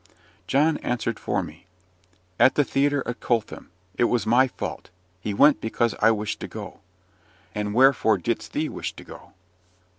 John answered for me. "At the theatre at Coltham. It was my fault. He went because I wished to go." "And wherefore didst thee wish to go?"